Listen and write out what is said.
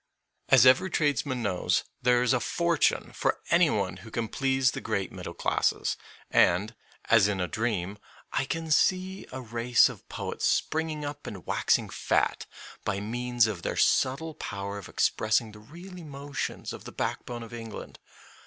As every tradesman knows, there is a fortune for any one who can please the great middle classes, and, as in a dream, I can see a race of poets springing up and waxing fat by means of their subtle power of ex pressing the real emotions of the backbone of England.